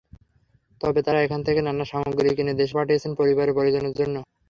তবে তাঁরা এখান থেকে নানা সামগ্রী কিনে দেশে পাঠিয়েছেন পরিবার পরিজনের জন্য।